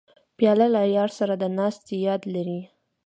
پیاله له یار سره د ناستې یاد لري.